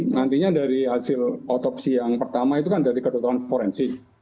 nantinya dari hasil otopsi yang pertama itu kan dari kedokteran forensik